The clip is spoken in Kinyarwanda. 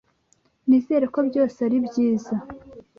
Nizere ko byose ari byiza.